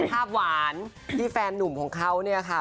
ภาพหวานที่แฟนหนุ่มของเขาเนี่ยค่ะ